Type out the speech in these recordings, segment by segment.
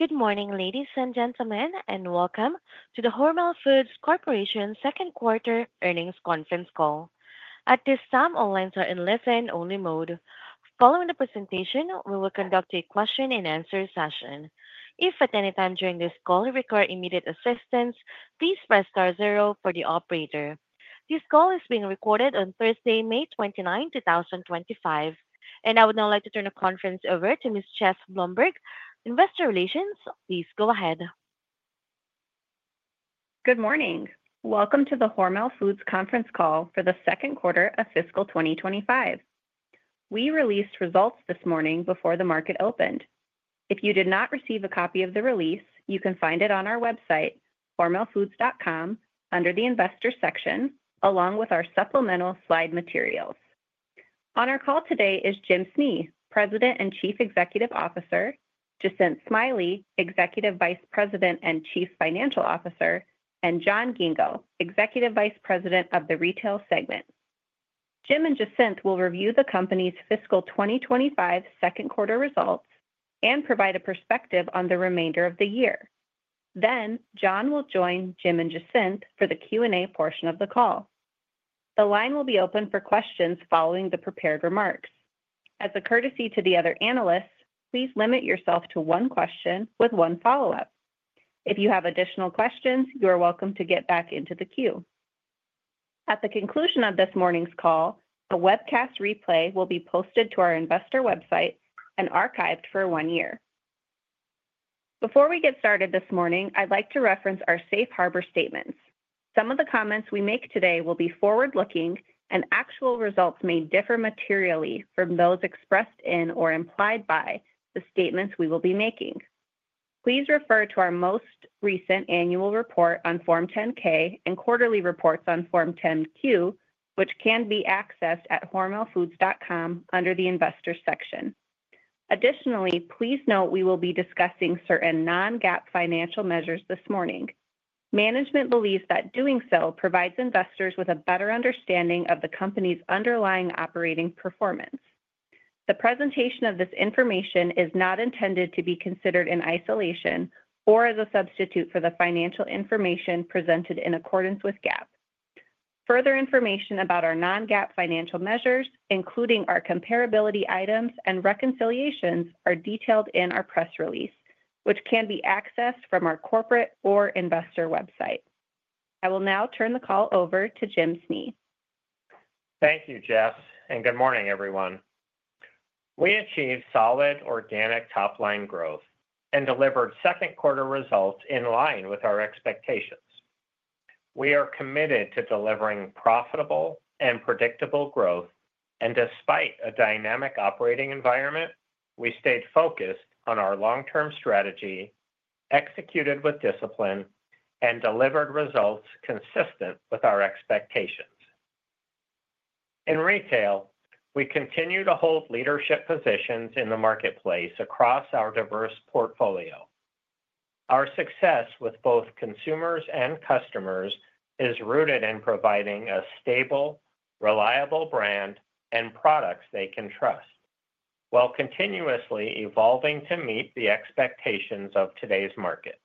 Good morning, ladies and gentlemen, and welcome to the Hormel Foods Corporation Second Quarter Earnings Conference Call. At this time, all lines are in listen-only mode. Following the presentation, we will conduct a question-and-answer session. If at any time during this call you require immediate assistance, please press star zero for the operator. This call is being recorded on Thursday, May 29, 2025. I would now like to turn the conference over to Ms. Jess Blomberg, Investor Relations. Please go ahead. Good morning. Welcome to the Hormel Foods Conference Call for the second quarter of fiscal 2025. We released results this morning before the market opened. If you did not receive a copy of the release, you can find it on our website, hormelfoods.com, under the Investor section, along with our supplemental slide materials. On our call today is Jim Snee, President and Chief Executive Officer; Jacinth Smiley, Executive Vice President and Chief Financial Officer; and John Ghingo, Executive Vice President of the Retail Segment. Jim and Jacinth will review the company's fiscal 2025 second quarter results and provide a perspective on the remainder of the year. John will join Jim and Jacinth for the Q&A portion of the call. The line will be open for questions following the prepared remarks. As a courtesy to the other analysts, please limit yourself to one question with one follow-up. If you have additional questions, you are welcome to get back into the queue. At the conclusion of this morning's call, a webcast replay will be posted to our investor website and archived for one year. Before we get started this morning, I'd like to reference our safe harbor statements. Some of the comments we make today will be forward-looking, and actual results may differ materially from those expressed in or implied by the statements we will be making. Please refer to our most recent annual report on Form 10-K and quarterly reports on Form 10-Q, which can be accessed at hormelfoods.com under the Investor section. Additionally, please note we will be discussing certain non-GAAP financial measures this morning. Management believes that doing so provides investors with a better understanding of the company's underlying operating performance. The presentation of this information is not intended to be considered in isolation or as a substitute for the financial information presented in accordance with GAAP. Further information about our non-GAAP financial measures, including our comparability items and reconciliations, are detailed in our press release, which can be accessed from our corporate or investor website. I will now turn the call over to Jim Snee. Thank you, Jess, and good morning, everyone. We achieved solid organic top-line growth and delivered second quarter results in line with our expectations. We are committed to delivering profitable and predictable growth, and despite a dynamic operating environment, we stayed focused on our long-term strategy, executed with discipline, and delivered results consistent with our expectations. In retail, we continue to hold leadership positions in the marketplace across our diverse portfolio. Our success with both consumers and customers is rooted in providing a stable, reliable brand and products they can trust, while continuously evolving to meet the expectations of today's market.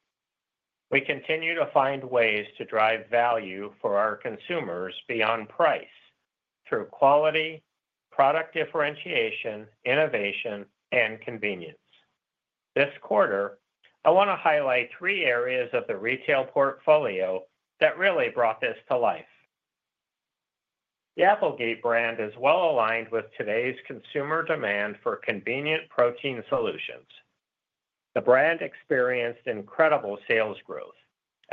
We continue to find ways to drive value for our consumers beyond price through quality, product differentiation, innovation, and convenience. This quarter, I want to highlight three areas of the retail portfolio that really brought this to life. The Applegate brand is well aligned with today's consumer demand for convenient protein solutions. The brand experienced incredible sales growth,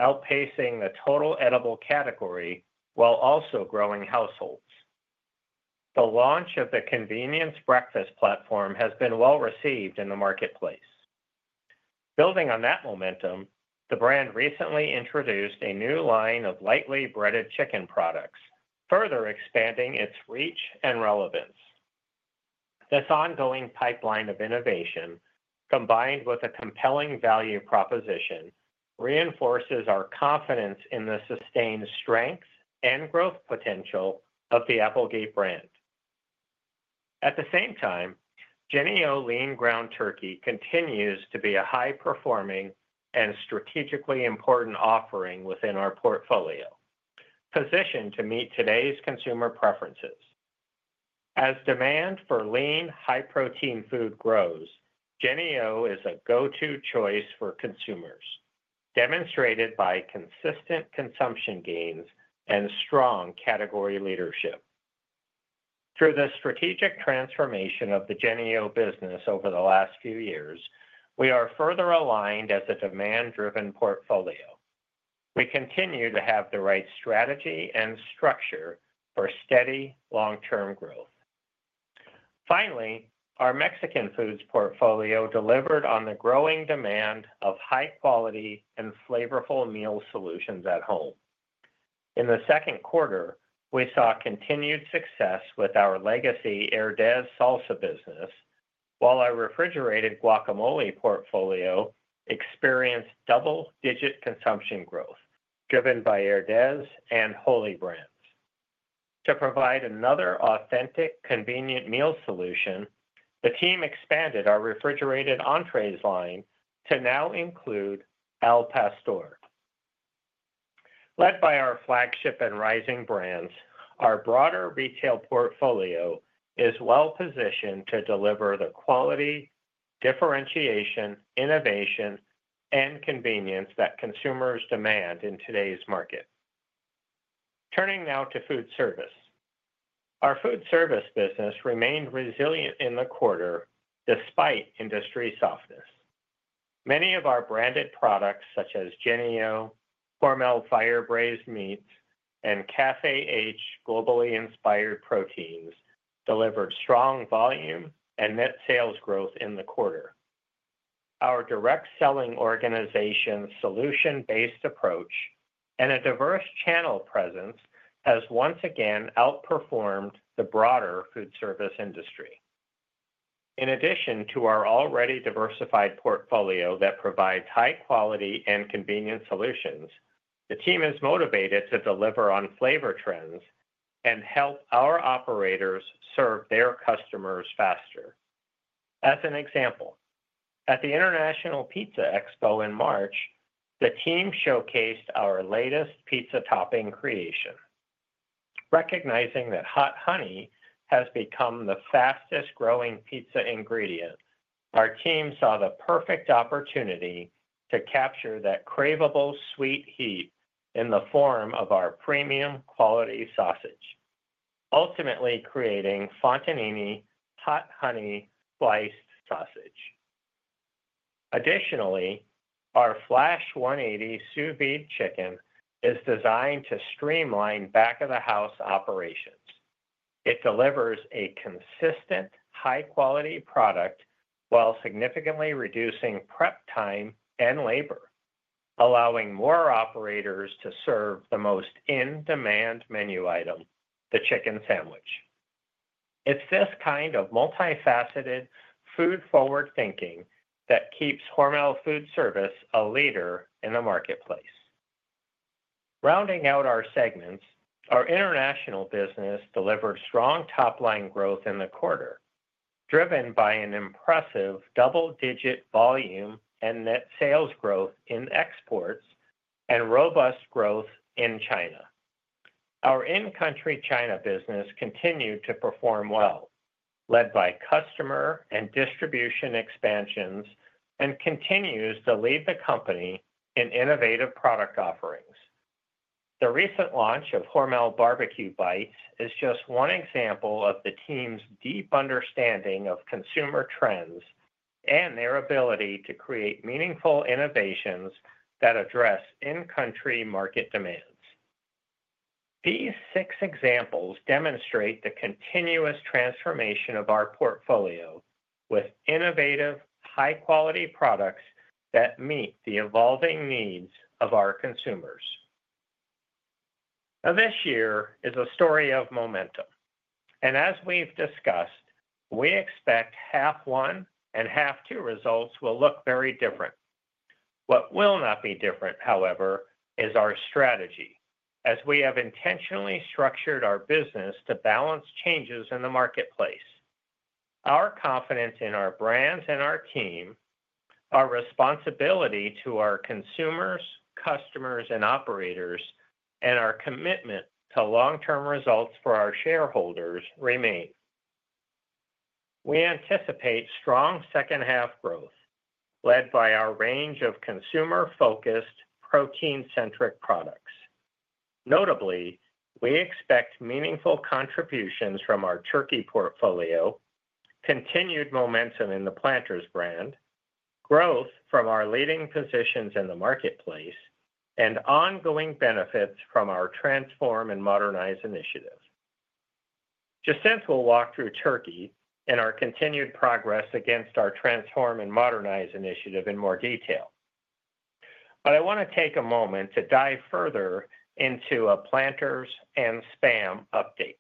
outpacing the total edible category while also growing households. The launch of the convenience breakfast platform has been well received in the marketplace. Building on that momentum, the brand recently introduced a new line of lightly breaded chicken products, further expanding its reach and relevance. This ongoing pipeline of innovation, combined with a compelling value proposition, reinforces our confidence in the sustained strength and growth potential of the Applegate brand. At the same time, JENNIE-O Lean Ground Turkey continues to be a high-performing and strategically important offering within our portfolio, positioned to meet today's consumer preferences. As demand for lean, high-protein food grows, JENNIE-O is a go-to choice for consumers, demonstrated by consistent consumption gains and strong category leadership. Through the strategic transformation of the JENNIE-O business over the last few years, we are further aligned as a demand-driven portfolio. We continue to have the right strategy and structure for steady long-term growth. Finally, our Mexican foods portfolio delivered on the growing demand of high-quality and flavorful meal solutions at home. In the second quarter, we saw continued success with our legacy Herdez salsa business, while our refrigerated guacamole portfolio experienced double-digit consumption growth, driven by Herdez and Wholly brands. To provide another authentic, convenient meal solution, the team expanded our refrigerated entrees line to now include al pastor. Led by our flagship and rising brands, our broader retail portfolio is well positioned to deliver the quality, differentiation, innovation, and convenience that consumers demand in today's market. Turning now to food service, our food service business remained resilient in the quarter despite industry softness. Many of our branded products, such as JENNIE-O, Hormel FIRE BRAISED Meats, and Cafe H Globally Inspired Proteins, delivered strong volume and net sales growth in the quarter. Our direct-selling organization's solution-based approach and a diverse channel presence has once again outperformed the broader food service industry. In addition to our already diversified portfolio that provides high-quality and convenient solutions, the team is motivated to deliver on flavor trends and help our operators serve their customers faster. As an example, at the International Pizza Expo in March, the team showcased our latest pizza topping creation. Recognizing that hot honey has become the fastest-growing pizza ingredient, our team saw the perfect opportunity to capture that craveable sweet heat in the form of our premium-quality sausage, ultimately creating Fontanini Hot Honey Sliced Sausage. Additionally, our Flash 180 Sous Vide Chicken is designed to streamline back-of-the-house operations. It delivers a consistent, high-quality product while significantly reducing prep time and labor, allowing more operators to serve the most in-demand menu item, the chicken sandwich. It is this kind of multifaceted food-forward thinking that keeps Hormel Foods Service a leader in the marketplace. Rounding out our segments, our international business delivered strong top-line growth in the quarter, driven by an impressive double-digit volume and net sales growth in exports and robust growth in China. Our in-country China business continued to perform well, led by customer and distribution expansions, and continues to lead the company in innovative product offerings. The recent launch of Hormel Barbecue Bites is just one example of the team's deep understanding of consumer trends and their ability to create meaningful innovations that address in-country market demands. These six examples demonstrate the continuous transformation of our portfolio with innovative, high-quality products that meet the evolving needs of our consumers. This year is a story of momentum. As we have discussed, we expect half-one and half-two results will look very different. What will not be different, however, is our strategy, as we have intentionally structured our business to balance changes in the marketplace. Our confidence in our brands and our team, our responsibility to our consumers, customers, and operators, and our commitment to long-term results for our shareholders remain. We anticipate strong second-half growth, led by our range of consumer-focused, protein-centric products. Notably, we expect meaningful contributions from our turkey portfolio, continued momentum in the Planters brand, growth from our leading positions in the marketplace, and ongoing benefits from our Transform and Modernize Initiative. Jacinth will walk through turkey and our continued progress against our Transform and Modernize Initiative in more detail. I want to take a moment to dive further into a Planters and SPAM update.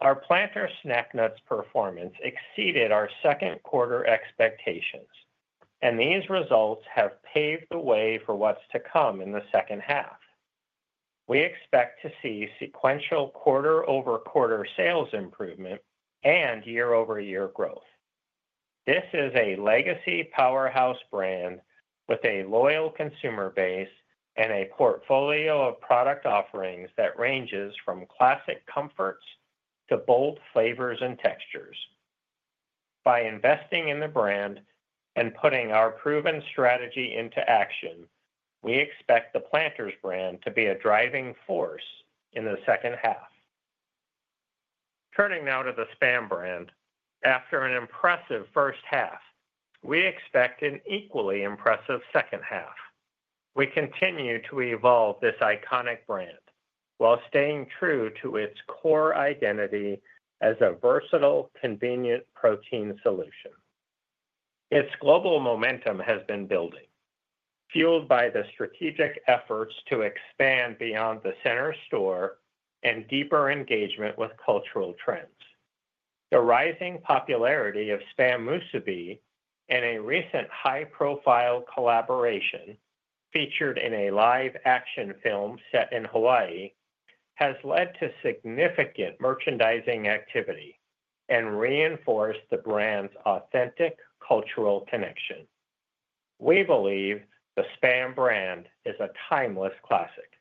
Our Planters snack nuts performance exceeded our second quarter expectations, and these results have paved the way for what's to come in the second half. We expect to see sequential quarter-over-quarter sales improvement and year-over-year growth. This is a legacy powerhouse brand with a loyal consumer base and a portfolio of product offerings that ranges from classic comforts to bold flavors and textures. By investing in the brand and putting our proven strategy into action, we expect the Planters brand to be a driving force in the second half. Turning now to the SPAM brand, after an impressive first half, we expect an equally impressive second half. We continue to evolve this iconic brand while staying true to its core identity as a versatile, convenient protein solution. Its global momentum has been building, fueled by the strategic efforts to expand beyond the center store and deeper engagement with cultural trends. The rising popularity of Spam Musubi and a recent high-profile collaboration featured in a live-action film set in Hawaii has led to significant merchandising activity and reinforced the brand's authentic cultural connection. We believe the Spam brand is a timeless classic.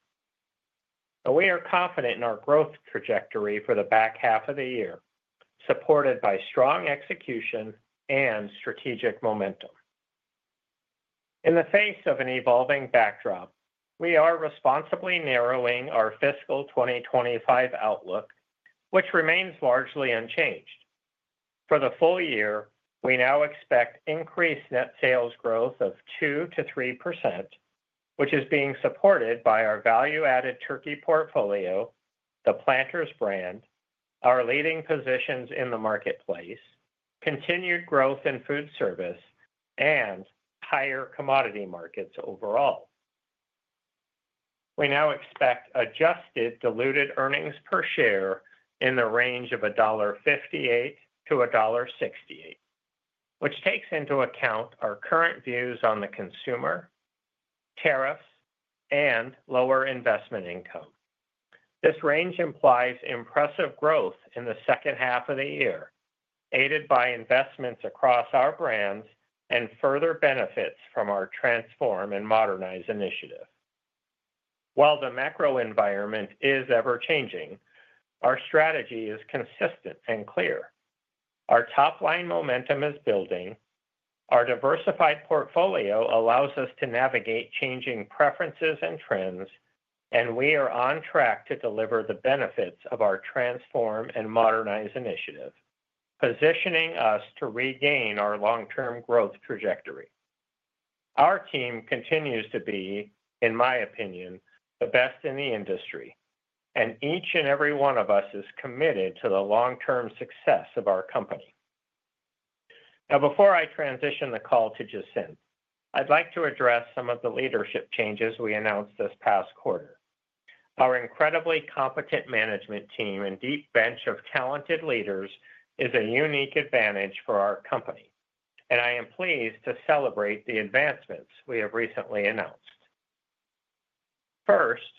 We are confident in our growth trajectory for the back half of the year, supported by strong execution and strategic momentum. In the face of an evolving backdrop, we are responsibly narrowing our fiscal 2025 outlook, which remains largely unchanged. For the full year, we now expect increased net sales growth of 2-3%, which is being supported by our value-added turkey portfolio, the Planters brand, our leading positions in the marketplace, continued growth in food service, and higher commodity markets overall. We now expect adjusted diluted earnings per share in the range of $1.58-$1.68, which takes into account our current views on the consumer, tariffs, and lower investment income. This range implies impressive growth in the second half of the year, aided by investments across our brands and further benefits from our Transform and Modernize Initiative. While the macro environment is ever-changing, our strategy is consistent and clear. Our top-line momentum is building. Our diversified portfolio allows us to navigate changing preferences and trends, and we are on track to deliver the benefits of our Transform and Modernize Initiative, positioning us to regain our long-term growth trajectory. Our team continues to be, in my opinion, the best in the industry, and each and every one of us is committed to the long-term success of our company. Now, before I transition the call to Jacinth, I'd like to address some of the leadership changes we announced this past quarter. Our incredibly competent management team and deep bench of talented leaders is a unique advantage for our company, and I am pleased to celebrate the advancements we have recently announced. First,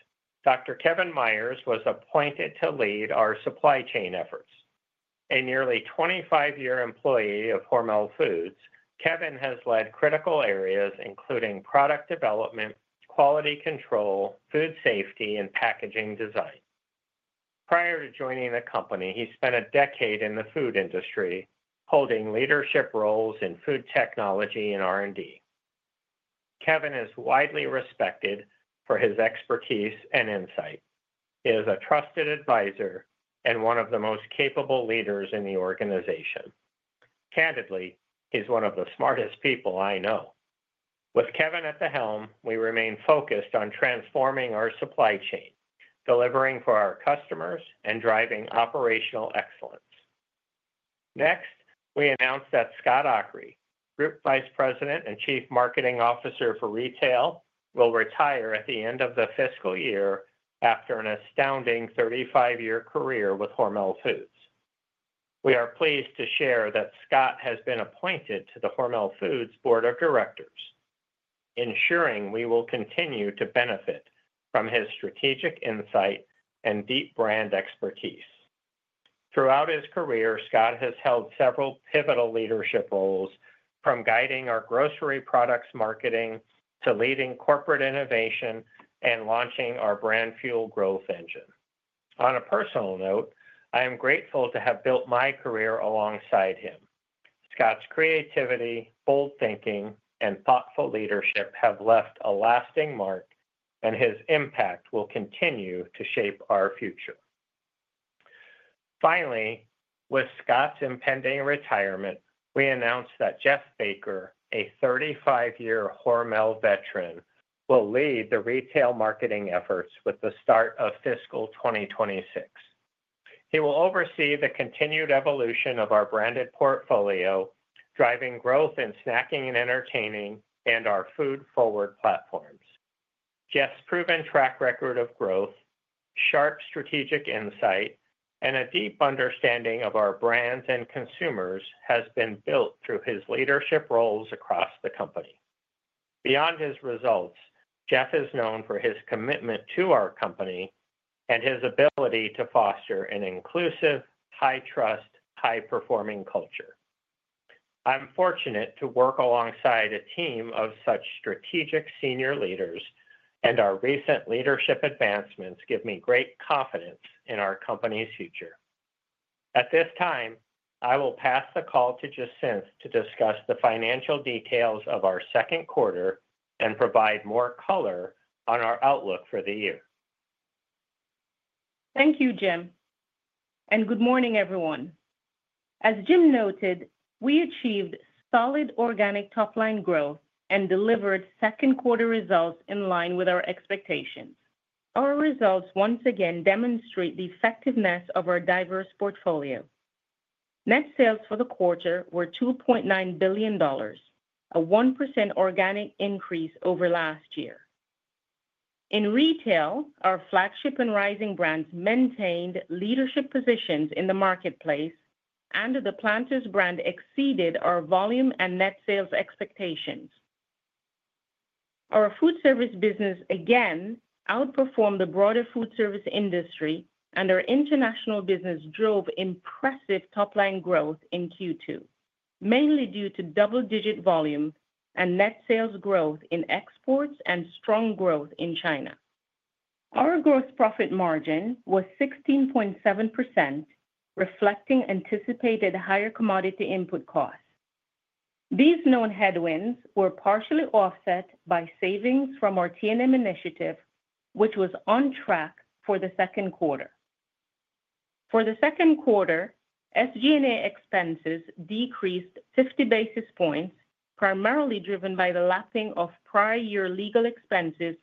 Dr. Kevin Myers was appointed to lead our supply chain efforts. A nearly 25-year employee of Hormel Foods, Kevin has led critical areas including product development, quality control, food safety, and packaging design. Prior to joining the company, he spent a decade in the food industry, holding leadership roles in food technology and R&D. Kevin is widely respected for his expertise and insight. He is a trusted advisor and one of the most capable leaders in the organization. Candidly, he's one of the smartest people I know. With Kevin at the helm, we remain focused on transforming our supply chain, delivering for our customers, and driving operational excellence. Next, we announced that Scott Oury, Group Vice President and Chief Marketing Officer for Retail, will retire at the end of the fiscal year after an astounding 35-year career with Hormel Foods. We are pleased to share that Scott has been appointed to the Hormel Foods Board of Directors, ensuring we will continue to benefit from his strategic insight and deep brand expertise. Throughout his career, Scott has held several pivotal leadership roles, from guiding our grocery products marketing to leading corporate innovation and launching our brand fuel growth engine. On a personal note, I am grateful to have built my career alongside him. Scott's creativity, bold thinking, and thoughtful leadership have left a lasting mark, and his impact will continue to shape our future. Finally, with Scott's impending retirement, we announced that Jeff Baker, a 35-year Hormel veteran, will lead the retail marketing efforts with the start of fiscal 2026. He will oversee the continued evolution of our branded portfolio, driving growth in snacking and entertaining, and our food-forward platforms. Jeff's proven track record of growth, sharp strategic insight, and a deep understanding of our brands and consumers has been built through his leadership roles across the company. Beyond his results, Jeff is known for his commitment to our company and his ability to foster an inclusive, high-trust, high-performing culture. I'm fortunate to work alongside a team of such strategic senior leaders, and our recent leadership advancements give me great confidence in our company's future. At this time, I will pass the call to Jacinth to discuss the financial details of our second quarter and provide more color on our outlook for the year. Thank you, Jim. Good morning, everyone. As Jim noted, we achieved solid organic top-line growth and delivered second-quarter results in line with our expectations. Our results once again demonstrate the effectiveness of our diverse portfolio. Net sales for the quarter were $2.9 billion, a 1% organic increase over last year. In retail, our flagship and rising brands maintained leadership positions in the marketplace, and the Planters brand exceeded our volume and net sales expectations. Our food service business again outperformed the broader food service industry, and our international business drove impressive top-line growth in Q2, mainly due to double-digit volume and net sales growth in exports and strong growth in China. Our gross profit margin was 16.7%, reflecting anticipated higher commodity input costs. These known headwinds were partially offset by savings from our T&M initiative, which was on track for the second quarter. For the second quarter, SG&A expenses decreased 50 basis points, primarily driven by the lapping of prior year legal expenses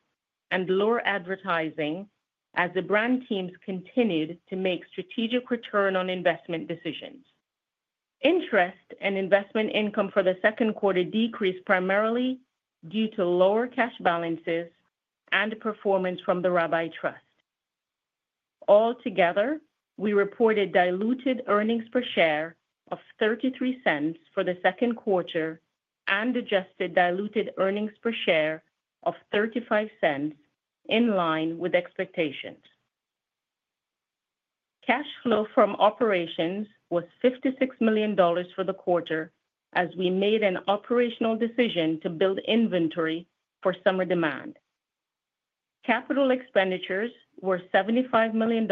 and lower advertising, as the brand teams continued to make strategic return on investment decisions. Interest and investment income for the second quarter decreased primarily due to lower cash balances and performance from the Rabbi Trust. Altogether, we reported diluted earnings per share of $0.33 for the second quarter and adjusted diluted earnings per share of $0.35, in line with expectations. Cash flow from operations was $56 million for the quarter, as we made an operational decision to build inventory for summer demand. Capital expenditures were $75 million,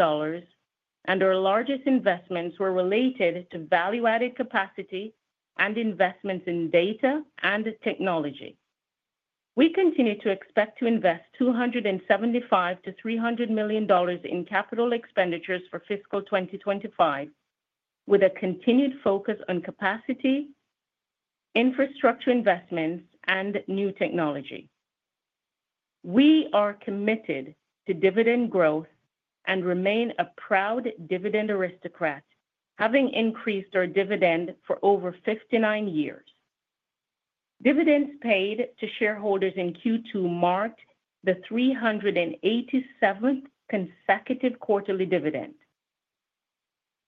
and our largest investments were related to value-added capacity and investments in data and technology. We continue to expect to invest $275 million-$300 million in capital expenditures for fiscal 2025, with a continued focus on capacity, infrastructure investments, and new technology. We are committed to dividend growth and remain a proud dividend aristocrat, having increased our dividend for over 59 years. Dividends paid to shareholders in Q2 marked the 387th consecutive quarterly dividend.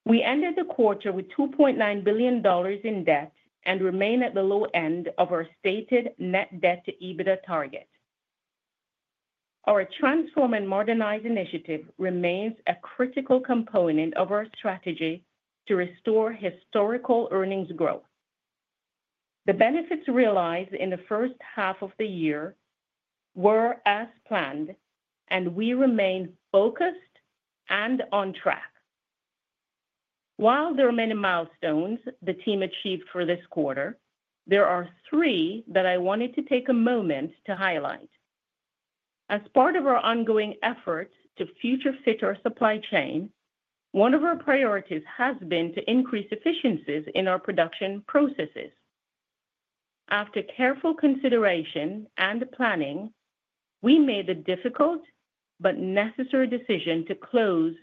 We ended the quarter with $2.9 billion in debt and remain at the low end of our stated net debt to EBITDA target. Our transform and modernize initiative remains a critical component of our strategy to restore historical earnings growth. The benefits realized in the first half of the year were as planned, and we remain focused and on track. While there are many milestones the team achieved for this quarter, there are three that I wanted to take a moment to highlight. As part of our ongoing efforts to future-fit our supply chain, one of our priorities has been to increase efficiencies in our production processes. After careful consideration and planning, we made the difficult but necessary decision to close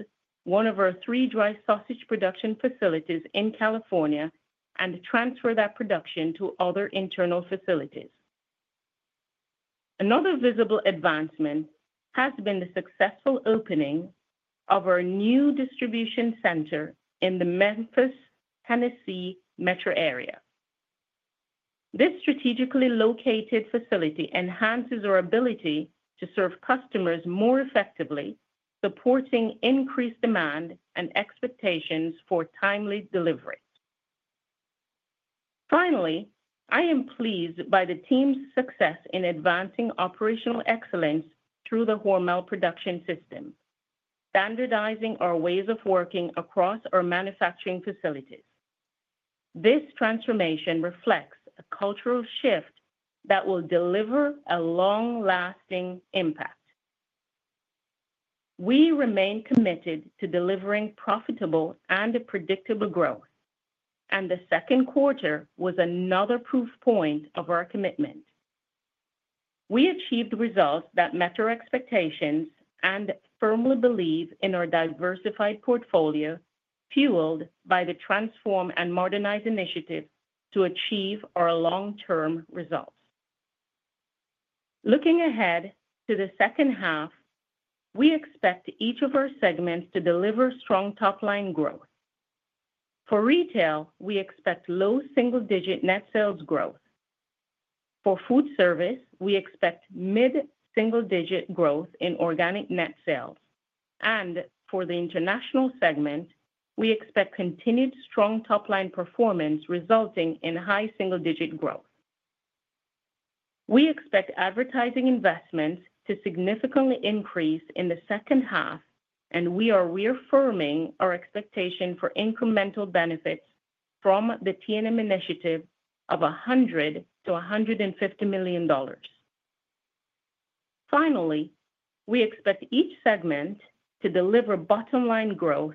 one of our three dry sausage production facilities in California and transfer that production to other internal facilities. Another visible advancement has been the successful opening of our new distribution center in the Memphis, Tennessee metro area. This strategically located facility enhances our ability to serve customers more effectively, supporting increased demand and expectations for timely delivery. Finally, I am pleased by the team's success in advancing operational excellence through the Hormel production system, standardizing our ways of working across our manufacturing facilities. This transformation reflects a cultural shift that will deliver a long-lasting impact. We remain committed to delivering profitable and predictable growth, and the second quarter was another proof point of our commitment. We achieved results that met our expectations and firmly believe in our diversified portfolio, fueled by the Transform and Modernize Initiative to achieve our long-term results. Looking ahead to the second half, we expect each of our segments to deliver strong top-line growth. For retail, we expect low single-digit net sales growth. For food service, we expect mid-single-digit growth in organic net sales. For the international segment, we expect continued strong top-line performance resulting in high single-digit growth. We expect advertising investments to significantly increase in the second half, and we are reaffirming our expectation for incremental benefits from the T&M initiative of $100-$150 million. Finally, we expect each segment to deliver bottom-line growth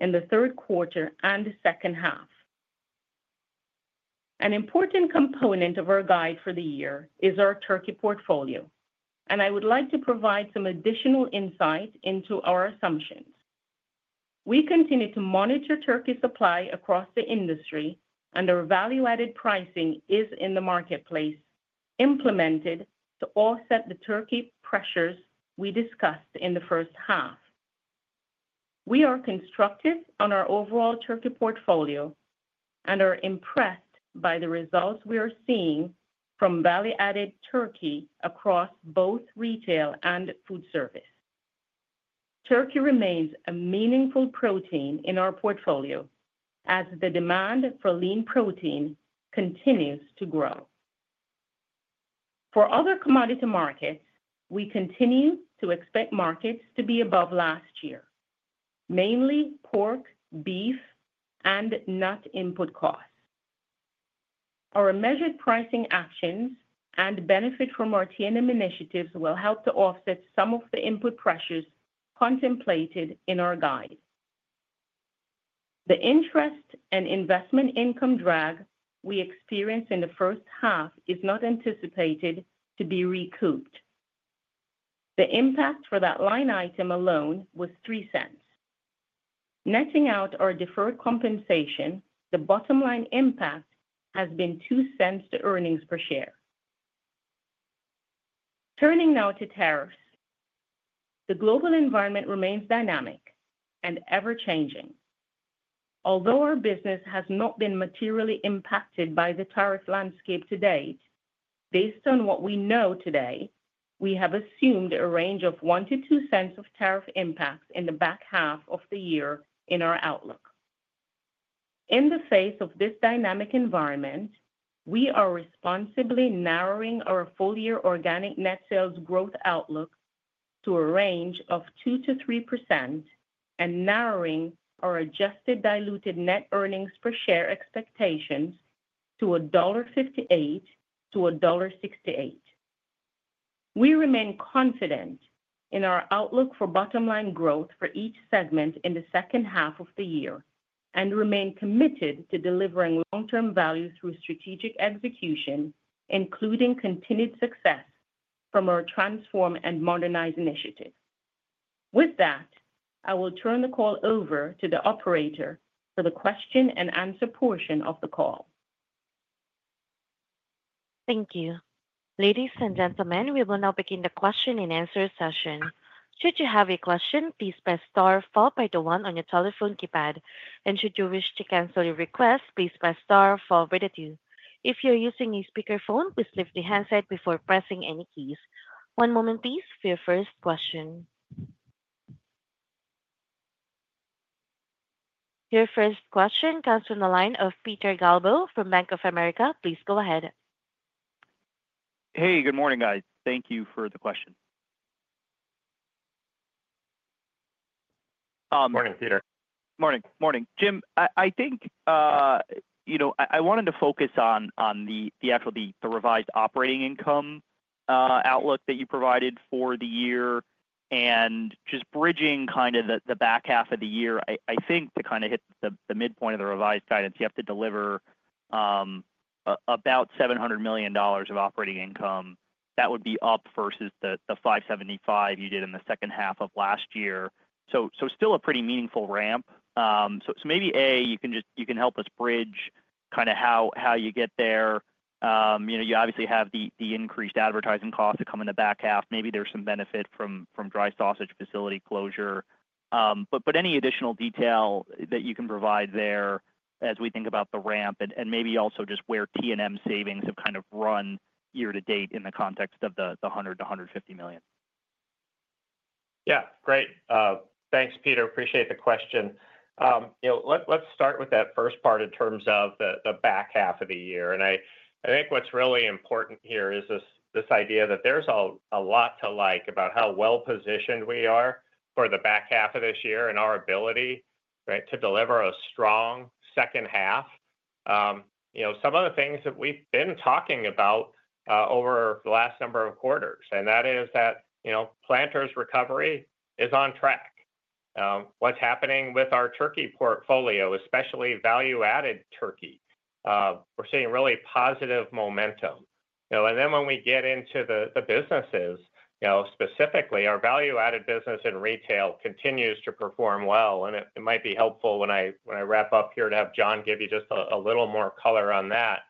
in the third quarter and second half. An important component of our guide for the year is our turkey portfolio, and I would like to provide some additional insight into our assumptions. We continue to monitor turkey supply across the industry, and our value-added pricing is in the marketplace implemented to offset the turkey pressures we discussed in the first half. We are constructive on our overall turkey portfolio and are impressed by the results we are seeing from value-added turkey across both retail and food service. Turkey remains a meaningful protein in our portfolio as the demand for lean protein continues to grow. For other commodity markets, we continue to expect markets to be above last year, mainly pork, beef, and nut input costs. Our measured pricing actions and benefit from our T&M initiatives will help to offset some of the input pressures contemplated in our guide. The interest and investment income drag we experience in the first half is not anticipated to be recouped. The impact for that line item alone was $0.03. Netting out our deferred compensation, the bottom-line impact has been $0.02 to earnings per share. Turning now to tariffs, the global environment remains dynamic and ever-changing. Although our business has not been materially impacted by the tariff landscape to date, based on what we know today, we have assumed a range of $0.01-$0.02 of tariff impacts in the back half of the year in our outlook. In the face of this dynamic environment, we are responsibly narrowing our full-year organic net sales growth outlook to a range of 2%-3% and narrowing our adjusted diluted net earnings per share expectations to $1.58-$1.68. We remain confident in our outlook for bottom-line growth for each segment in the second half of the year and remain committed to delivering long-term value through strategic execution, including continued success from our transform and modernize initiative. With that, I will turn the call over to the operator for the question and answer portion of the call. Thank you. Ladies and gentlemen, we will now begin the question and answer session. Should you have a question, please press star followed by the one on your telephone keypad. Should you wish to cancel your request, please press star followed by the two. If you're using a speakerphone, please lift the handset before pressing any keys. One moment, please. For your first question. Your first question comes from the line of Peter Galbo from Bank of America. Please go ahead. Hey, good morning, guys. Thank you for the question. Good morning, Peter. Morning. Morning. Jim, I think I wanted to focus on the actual revised operating income outlook that you provided for the year and just bridging kind of the back half of the year. I think to kind of hit the midpoint of the revised guidance, you have to deliver about $700 million of operating income. That would be up versus the $575 million you did in the second half of last year. So still a pretty meaningful ramp. Maybe, A, you can help us bridge kind of how you get there. You obviously have the increased advertising costs that come in the back half. Maybe there's some benefit from dry sausage facility closure. Any additional detail that you can provide there as we think about the ramp and maybe also just where T&M savings have kind of run year to date in the context of the $100 million-$150 million. Yeah. Great. Thanks, Peter. Appreciate the question. Let's start with that first part in terms of the back half of the year. I think what's really important here is this idea that there's a lot to like about how well-positioned we are for the back half of this year and our ability to deliver a strong second half. Some of the things that we've been talking about over the last number of quarters, and that is that Planters recovery is on track. What's happening with our turkey portfolio, especially value-added turkey, we're seeing really positive momentum. When we get into the businesses, specifically our value-added business in retail continues to perform well. It might be helpful when I wrap up here to have John give you just a little more color on that.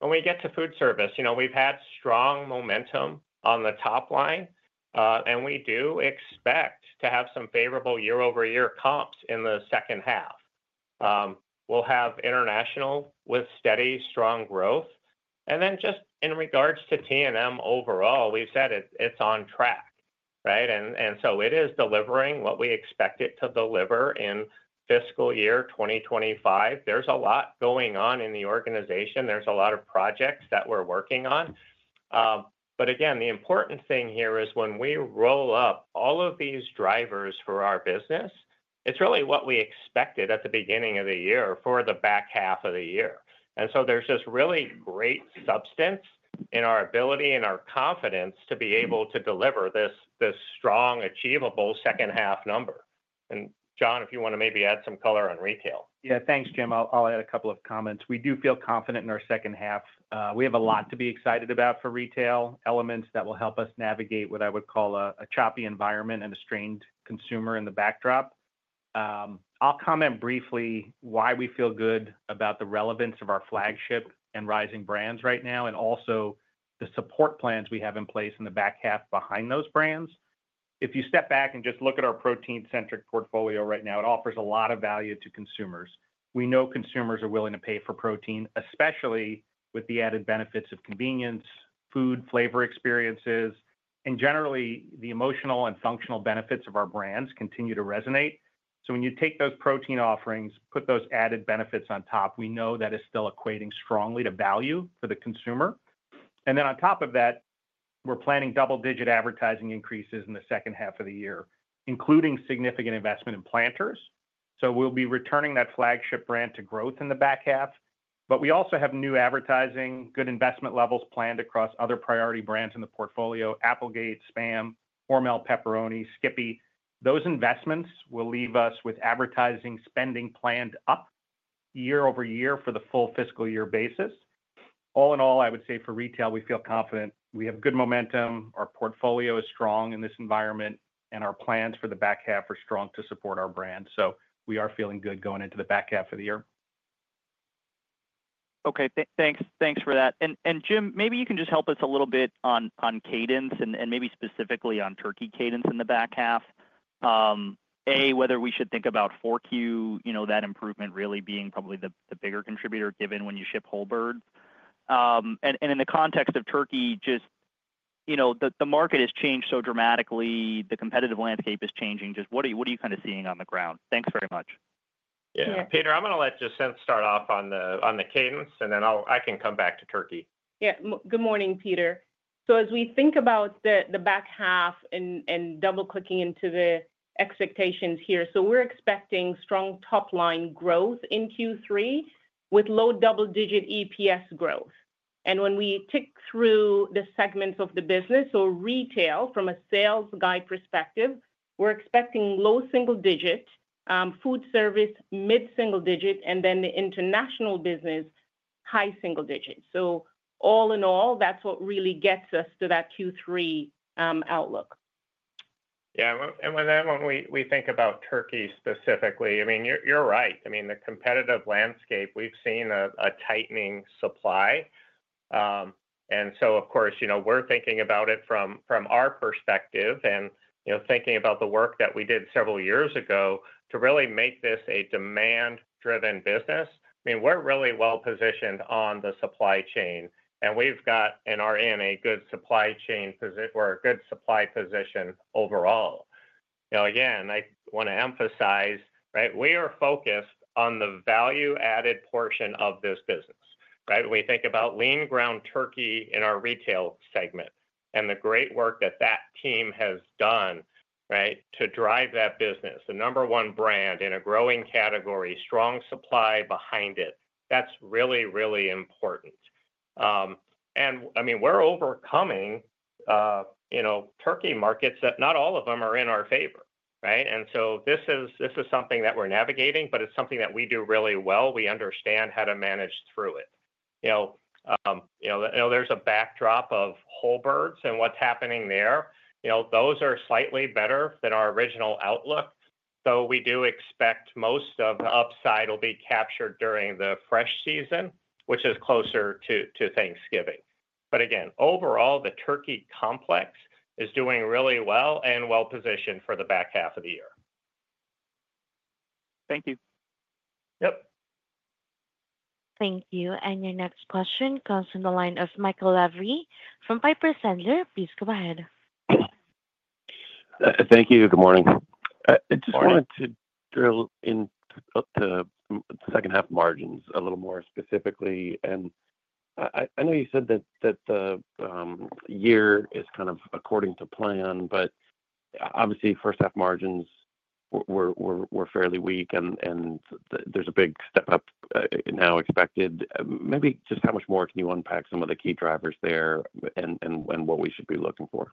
When we get to food service, we've had strong momentum on the top line, and we do expect to have some favorable year-over-year comps in the second half. We'll have international with steady, strong growth. Just in regards to T&M overall, we've said it's on track. It is delivering what we expect it to deliver in fiscal year 2025. There's a lot going on in the organization. There are a lot of projects that we're working on. The important thing here is when we roll up all of these drivers for our business, it's really what we expected at the beginning of the year for the back half of the year. There is really great substance in our ability and our confidence to be able to deliver this strong, achievable second half number. John, if you want to maybe add some color on retail. Yeah. Thanks, Jim. I'll add a couple of comments. We do feel confident in our second half. We have a lot to be excited about for retail elements that will help us navigate what I would call a choppy environment and a strained consumer in the backdrop. I'll comment briefly why we feel good about the relevance of our flagship and rising brands right now and also the support plans we have in place in the back half behind those brands. If you step back and just look at our protein-centric portfolio right now, it offers a lot of value to consumers. We know consumers are willing to pay for protein, especially with the added benefits of convenience, food, flavor experiences, and generally the emotional and functional benefits of our brands continue to resonate. When you take those protein offerings, put those added benefits on top, we know that is still equating strongly to value for the consumer. On top of that, we're planning double-digit advertising increases in the second half of the year, including significant investment in Planters. We'll be returning that flagship brand to growth in the back half. We also have new advertising, good investment levels planned across other priority brands in the portfolio, Applegate, SPAM, Hormel, Pepperoni, Skippy. Those investments will leave us with advertising spending planned up year over year for the full fiscal year basis. All in all, I would say for retail, we feel confident. We have good momentum. Our portfolio is strong in this environment, and our plans for the back half are strong to support our brand. We are feeling good going into the back half of the year. Okay. Thanks for that. Jim, maybe you can just help us a little bit on cadence and maybe specifically on turkey cadence in the back half. A, whether we should think about 4Q, that improvement really being probably the bigger contributor given when you ship whole birds. In the context of turkey, just the market has changed so dramatically. The competitive landscape is changing. Just what are you kind of seeing on the ground? Thanks very much. Yeah. Peter, I'm going to let Jess start off on the cadence, and then I can come back to turkey. Yeah. Good morning, Peter. As we think about the back half and double-clicking into the expectations here, we're expecting strong top-line growth in Q3 with low double-digit EPS growth. When we tick through the segments of the business, retail from a sales guy perspective, we're expecting low single-digit, food service, mid-single-digit, and then the international business, high single-digit. All in all, that's what really gets us to that Q3 outlook. Yeah. When we think about turkey specifically, I mean, you're right. The competitive landscape, we've seen a tightening supply. Of course, we're thinking about it from our perspective and thinking about the work that we did several years ago to really make this a demand-driven business. I mean, we're really well-positioned on the supply chain, and we've got and are in a good supply chain or a good supply position overall. Again, I want to emphasize, we are focused on the value-added portion of this business. We think about lean ground turkey in our retail segment and the great work that team has done to drive that business. The number one brand in a growing category, strong supply behind it. That's really, really important. I mean, we're overcoming turkey markets that not all of them are in our favor. This is something that we're navigating, but it's something that we do really well. We understand how to manage through it. There's a backdrop of whole birds and what's happening there. Those are slightly better than our original outlook. We do expect most of the upside will be captured during the fresh season, which is closer to Thanksgiving. Again, overall, the turkey complex is doing really well and well-positioned for the back half of the year. Thank you. Yep. Thank you. Your next question comes from the line of Michael Lavery from Piper Sandler. Please go ahead. Thank you. Good morning. I just wanted to drill into the second half margins a little more specifically. I know you said that the year is kind of according to plan, but obviously, first half margins were fairly weak, and there is a big step up now expected. Maybe just how much more can you unpack some of the key drivers there and what we should be looking for?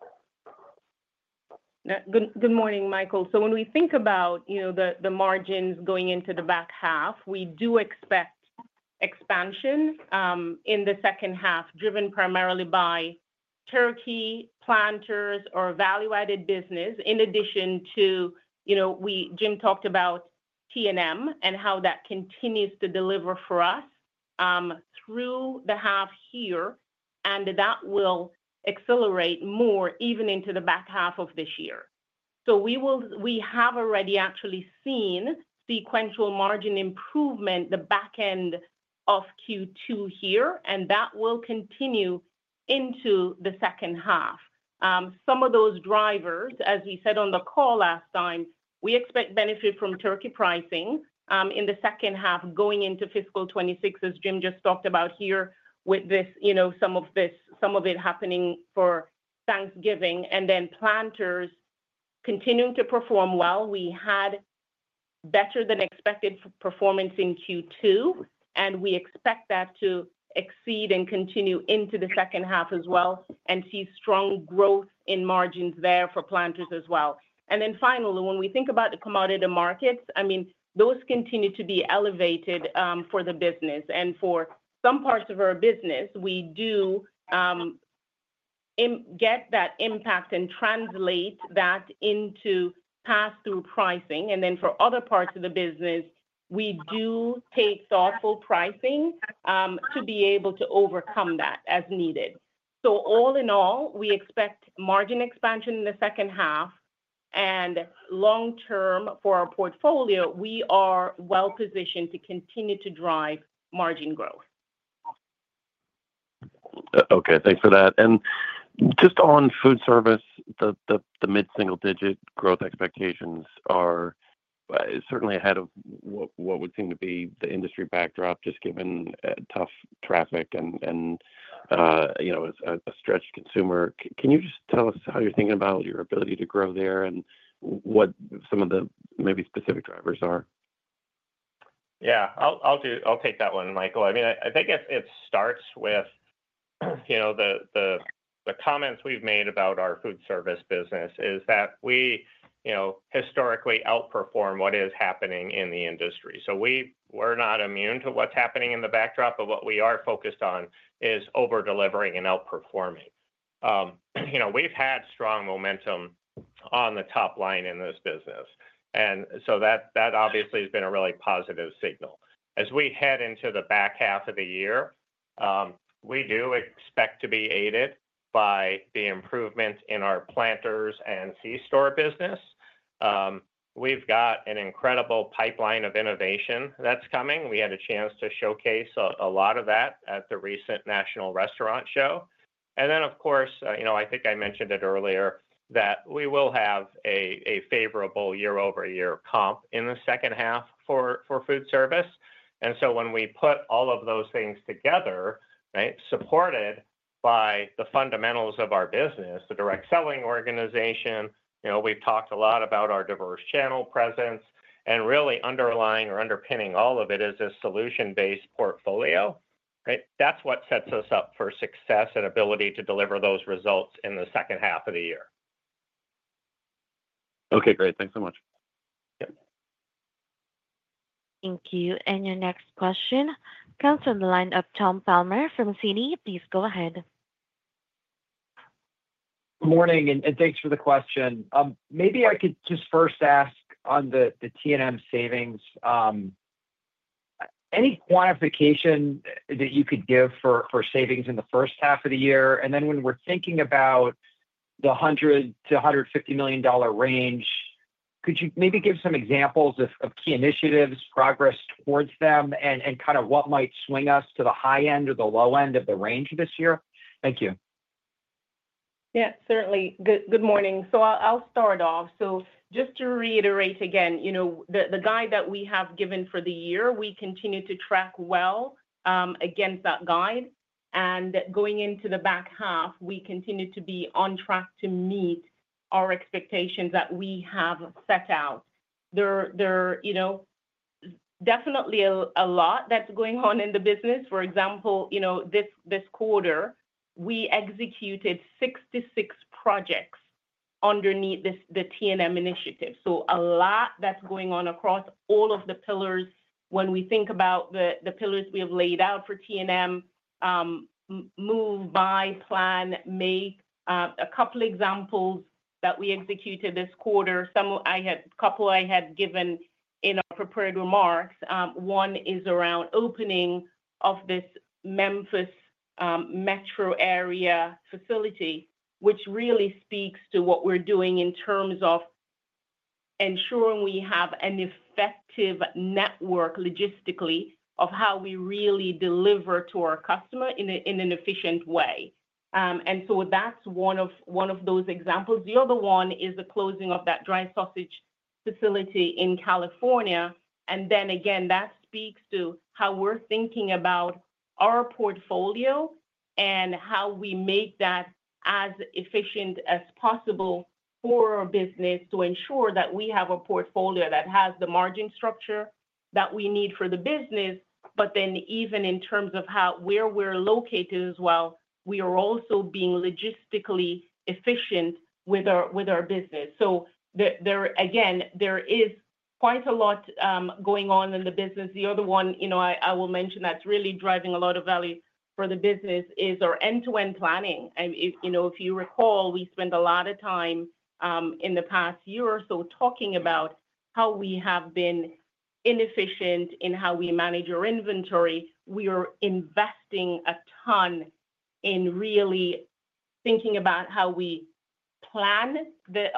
Good morning, Michael. When we think about the margins going into the back half, we do expect expansion in the second half driven primarily by turkey, Planters, our value-added business. In addition to that, Jim talked about T&M and how that continues to deliver for us through the half here, and that will accelerate more even into the back half of this year. We have already actually seen sequential margin improvement the back end of Q2 here, and that will continue into the second half. Some of those drivers, as we said on the call last time, we expect benefit from turkey pricing in the second half going into fiscal 2026, as Jim just talked about here with some of it happening for Thanksgiving. Planters continuing to perform well. We had better than expected performance in Q2, and we expect that to exceed and continue into the second half as well and see strong growth in margins there for Planters as well. Finally, when we think about the commodity markets, I mean, those continue to be elevated for the business. For some parts of our business, we do get that impact and translate that into pass-through pricing. For other parts of the business, we do take thoughtful pricing to be able to overcome that as needed. All in all, we expect margin expansion in the second half, and long-term for our portfolio, we are well-positioned to continue to drive margin growth. Okay. Thanks for that. Just on food service, the mid-single-digit growth expectations are certainly ahead of what would seem to be the industry backdrop just given tough traffic and a stretched consumer. Can you just tell us how you're thinking about your ability to grow there and what some of the maybe specific drivers are? Yeah. I'll take that one, Michael. I mean, I think it starts with the comments we've made about our food service business is that we historically outperform what is happening in the industry. We're not immune to what's happening in the backdrop, but what we are focused on is over-delivering and outperforming. We've had strong momentum on the top line in this business. That obviously has been a really positive signal. As we head into the back half of the year, we do expect to be aided by the improvements in our Planters and c-store business. We've got an incredible pipeline of innovation that's coming. We had a chance to showcase a lot of that at the recent National Restaurant Show. Of course, I think I mentioned it earlier that we will have a favorable year-over-year comp in the second half for food service. When we put all of those things together, supported by the fundamentals of our business, the direct selling organization, we've talked a lot about our diverse channel presence, and really underlying or underpinning all of it is a solution-based portfolio. That's what sets us up for success and ability to deliver those results in the second half of the year. Okay. Great. Thanks so much. Thank you. Your next question comes from the line of Tom Palmer from Citi. Please go ahead. Good morning, and thanks for the question. Maybe I could just first ask on the T&M savings, any quantification that you could give for savings in the first half of the year? When we're thinking about the $100 million-$150 million range, could you maybe give some examples of key initiatives, progress towards them, and kind of what might swing us to the high end or the low end of the range this year? Thank you. Yeah. Certainly. Good morning. I'll start off. Just to reiterate again, the guide that we have given for the year, we continue to track well against that guide. Going into the back half, we continue to be on track to meet our expectations that we have set out. There's definitely a lot that's going on in the business. For example, this quarter, we executed 66 projects underneath the T&M initiative. A lot that's going on across all of the pillars. When we think about the pillars we have laid out for T&M, move, buy, plan, make, a couple of examples that we executed this quarter. A couple I had given in our prepared remarks. One is around opening of this Memphis, Tennessee Metro area facility, which really speaks to what we're doing in terms of ensuring we have an effective network logistically of how we really deliver to our customer in an efficient way. That is one of those examples. The other one is the closing of that dry sausage facility in California. That speaks to how we're thinking about our portfolio and how we make that as efficient as possible for our business to ensure that we have a portfolio that has the margin structure that we need for the business, but then even in terms of where we're located as well, we are also being logistically efficient with our business. There is quite a lot going on in the business. The other one I will mention that's really driving a lot of value for the business is our end-to-end planning. If you recall, we spent a lot of time in the past year or so talking about how we have been inefficient in how we manage our inventory. We are investing a ton in really thinking about how we plan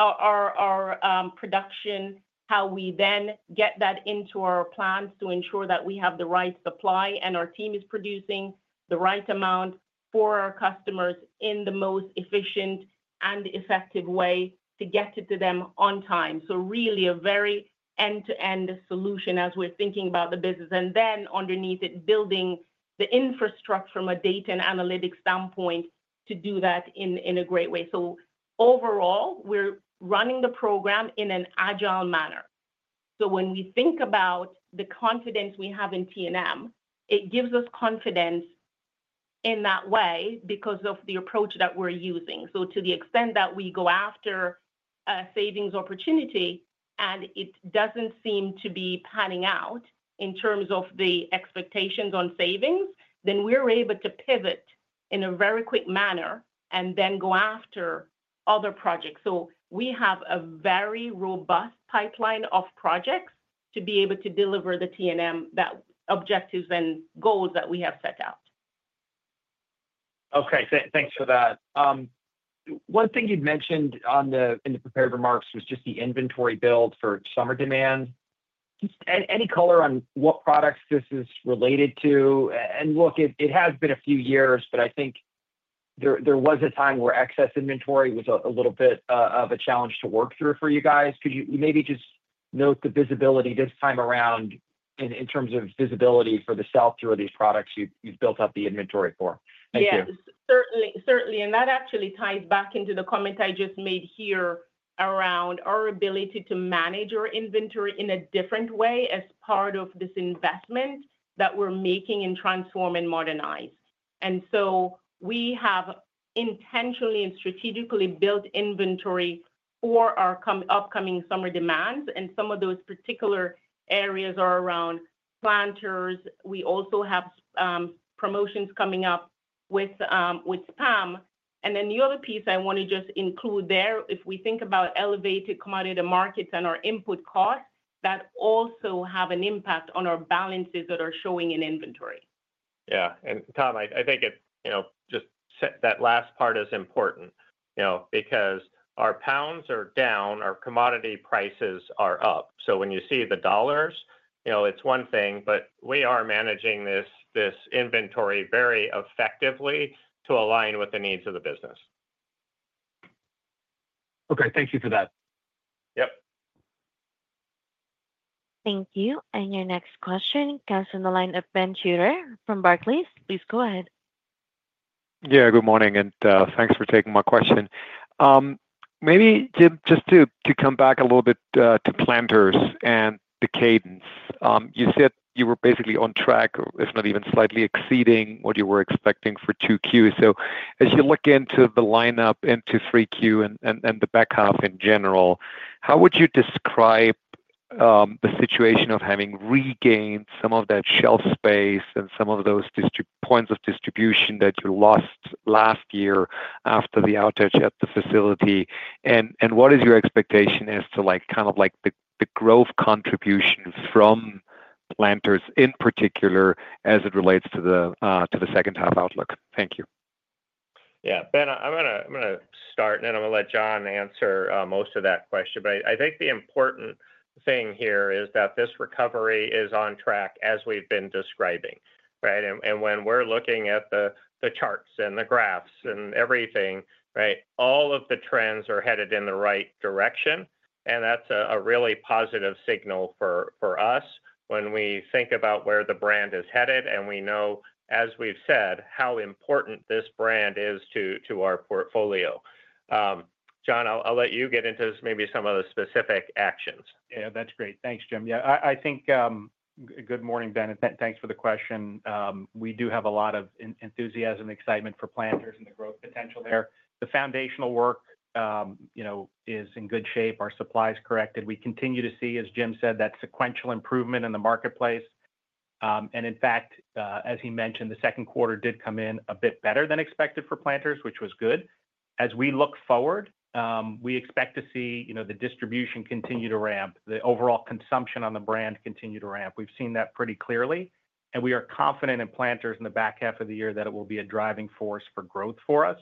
our production, how we then get that into our plans to ensure that we have the right supply and our team is producing the right amount for our customers in the most efficient and effective way to get it to them on time. Really a very end-to-end solution as we're thinking about the business. Underneath it, building the infrastructure from a data and analytics standpoint to do that in a great way. Overall, we're running the program in an agile manner. When we think about the confidence we have in T&M, it gives us confidence in that way because of the approach that we're using. To the extent that we go after a savings opportunity and it does not seem to be panning out in terms of the expectations on savings, we are able to pivot in a very quick manner and then go after other projects. We have a very robust pipeline of projects to be able to deliver the T&M objectives and goals that we have set out. Okay. Thanks for that. One thing you mentioned in the prepared remarks was just the inventory build for summer demand. Any color on what products this is related to? It has been a few years, but I think there was a time where excess inventory was a little bit of a challenge to work through for you guys. Could you maybe just note the visibility this time around in terms of visibility for the South through these products you've built up the inventory for? Thank you. Yeah. Certainly. That actually ties back into the comment I just made here around our ability to manage our inventory in a different way as part of this investment that we're making in transform and modernize. We have intentionally and strategically built inventory for our upcoming summer demands. Some of those particular areas are around Planters. We also have promotions coming up with SPAM. The other piece I want to just include there, if we think about elevated commodity markets and our input costs, that also have an impact on our balances that are showing in inventory. Yeah. Tom, I think just that last part is important because our pounds are down, our commodity prices are up. When you see the dollars, it's one thing, but we are managing this inventory very effectively to align with the needs of the business. Okay. Thank you for that. Yep. Thank you. Your next question comes from the line of Ben Sheerer from Barclays. Please go ahead. Yeah. Good morning, and thanks for taking my question. Maybe just to come back a little bit to Planters and the cadence. You said you were basically on track, if not even slightly exceeding what you were expecting for 2Q. As you look into the lineup into 3Q and the back half in general, how would you describe the situation of having regained some of that shelf space and some of those points of distribution that you lost last year after the outage at the facility? What is your expectation as to kind of the growth contribution from Planters in particular as it relates to the second half outlook? Thank you. Yeah. Ben, I'm going to start, and then I'm going to let John answer most of that question. I think the important thing here is that this recovery is on track as we've been describing, right? When we're looking at the charts and the graphs and everything, right, all of the trends are headed in the right direction. That's a really positive signal for us when we think about where the brand is headed. We know, as we've said, how important this brand is to our portfolio. John, I'll let you get into maybe some of the specific actions. Yeah. That's great. Thanks, Jim. Yeah. Good morning, Ben. Thanks for the question. We do have a lot of enthusiasm and excitement for Planters and the growth potential there. The foundational work is in good shape. Our supply is corrected. We continue to see, as Jim said, that sequential improvement in the marketplace. In fact, as he mentioned, the second quarter did come in a bit better than expected for Planters, which was good. As we look forward, we expect to see the distribution continue to ramp, the overall consumption on the brand continue to ramp. We've seen that pretty clearly. We are confident in Planters in the back half of the year that it will be a driving force for growth for us.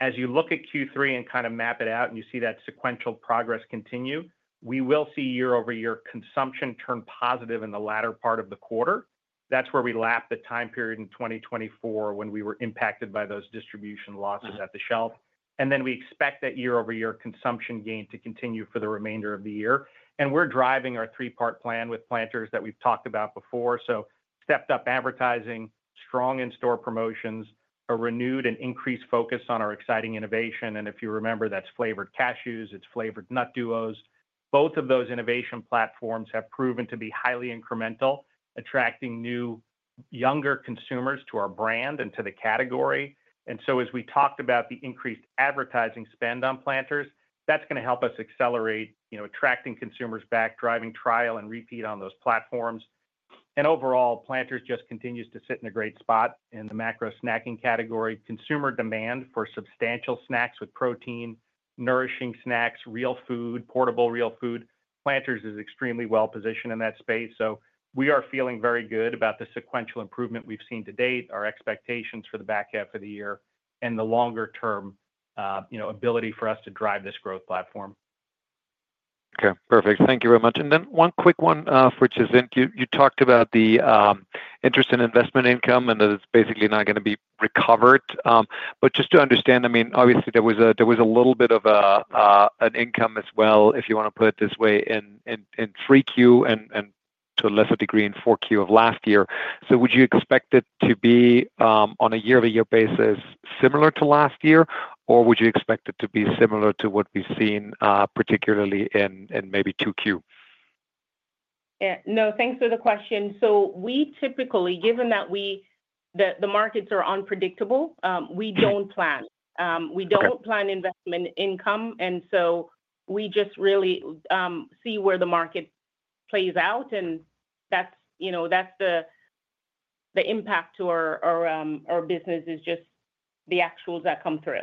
As you look at Q3 and kind of map it out and you see that sequential progress continue, we will see year-over-year consumption turn positive in the latter part of the quarter. That is where we lap the time period in 2024 when we were impacted by those distribution losses at the shelf. We expect that year-over-year consumption gain to continue for the remainder of the year. We are driving our three-part plan with Planters that we have talked about before. Stepped-up advertising, strong in-store promotions, a renewed and increased focus on our exciting innovation. If you remember, that is Flavored Cashews, it is Flavored Nut Duos. Both of those innovation platforms have proven to be highly incremental, attracting new, younger consumers to our brand and to the category. As we talked about the increased advertising spend on Planters, that's going to help us accelerate attracting consumers back, driving trial and repeat on those platforms. Overall, Planters just continues to sit in a great spot in the macro snacking category. Consumer demand for substantial snacks with protein, nourishing snacks, real food, portable real food, Planters is extremely well-positioned in that space. We are feeling very good about the sequential improvement we've seen to date, our expectations for the back half of the year, and the longer-term ability for us to drive this growth platform. Okay. Perfect. Thank you very much. And then one quick one for just to think. You talked about the interest in investment income and that it's basically not going to be recovered. But just to understand, I mean, obviously, there was a little bit of an income as well, if you want to put it this way, in 3Q and to a lesser degree in 4Q of last year. So would you expect it to be on a year-over-year basis similar to last year, or would you expect it to be similar to what we've seen, particularly in maybe 2Q? Yeah. No. Thanks for the question. We typically, given that the markets are unpredictable, we don't plan. We don't plan investment income. We just really see where the market plays out. That's the impact to our business is just the actuals that come through.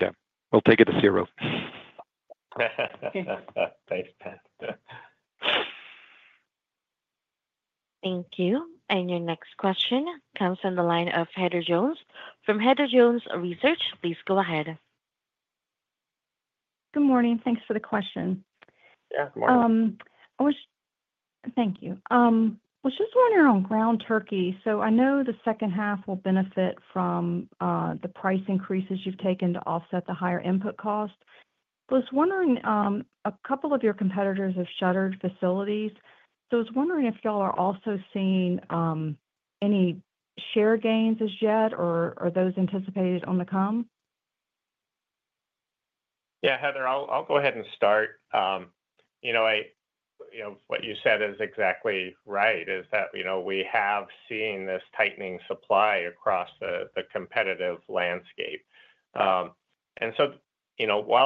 Okay. We'll take it to zero. Thank you. Your next question comes from the line of Heather Jones from Heather Jones Research. Please go ahead. Good morning. Thanks for the question. Yeah. Good morning. Thank you. Was just wondering on ground turkey. I know the second half will benefit from the price increases you've taken to offset the higher input cost. I was wondering, a couple of your competitors have shuttered facilities. I was wondering if y'all are also seeing any share gains as yet, or are those anticipated on the come? Yeah. Heather, I'll go ahead and start. What you said is exactly right, that we have seen this tightening supply across the competitive landscape. While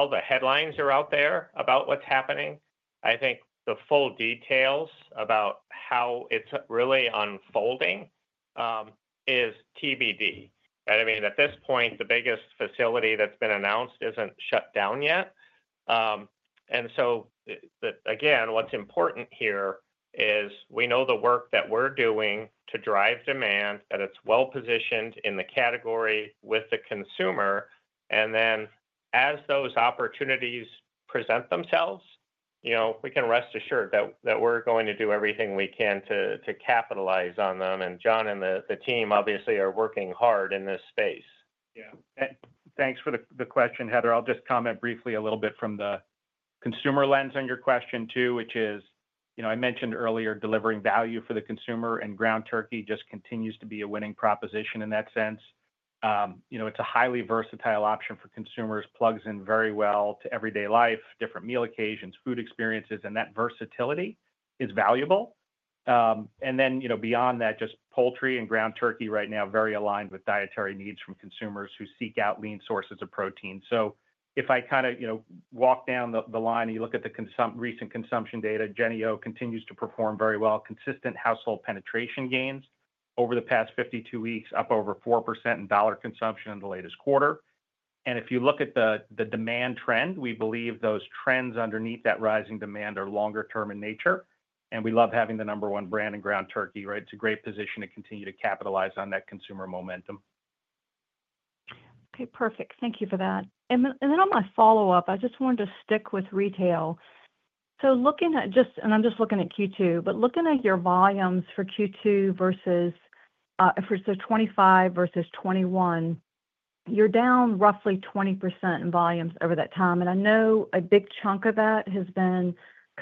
the headlines are out there about what's happening, I think the full details about how it's really unfolding is TBD. I mean, at this point, the biggest facility that's been announced isn't shut down yet. What's important here is we know the work that we're doing to drive demand, that it's well-positioned in the category with the consumer. As those opportunities present themselves, we can rest assured that we're going to do everything we can to capitalize on them. John and the team obviously are working hard in this space. Yeah. Thanks for the question, Heather. I'll just comment briefly a little bit from the consumer lens on your question too, which is I mentioned earlier delivering value for the consumer, and ground turkey just continues to be a winning proposition in that sense. It's a highly versatile option for consumers, plugs in very well to everyday life, different meal occasions, food experiences, and that versatility is valuable. Poultry and ground turkey right now are very aligned with dietary needs from consumers who seek out lean sources of protein. If I kind of walk down the line and you look at the recent consumption data, Jennie-O continues to perform very well, consistent household penetration gains over the past 52 weeks, up over 4% in dollar consumption in the latest quarter. If you look at the demand trend, we believe those trends underneath that rising demand are longer-term in nature. We love having the number one brand in ground turkey, right? It is a great position to continue to capitalize on that consumer momentum. Okay. Perfect. Thank you for that. On my follow-up, I just wanted to stick with retail. Looking at just, and I'm just looking at Q2, but looking at your volumes for Q2 versus 2025 versus 2021, you're down roughly 20% in volumes over that time. I know a big chunk of that has been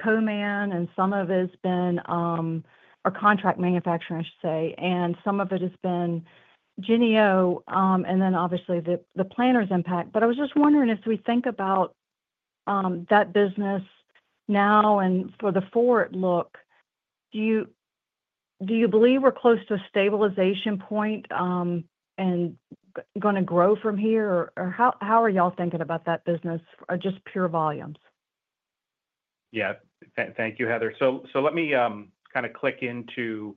CoMan, and some of it has been our contract manufacturer, I should say. Some of it has been JENNIE-O, and then obviously the Planters impact. I was just wondering if we think about that business now and for the forward look, do you believe we're close to a stabilization point and going to grow from here? How are y'all thinking about that business or just pure volumes? Yeah. Thank you, Heather. Let me kind of click into